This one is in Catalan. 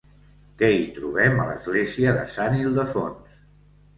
Què hi trobem a l'església de Sant Ildefons?